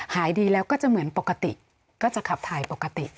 หายดีแล้วก็จะเหมือนปกติก็จะขับถ่ายปกติ